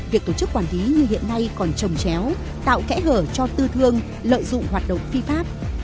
việc tổ chức quản lý như hiện nay còn trồng chéo tạo kẽ hở cho tư thương lợi dụng hoạt động phi pháp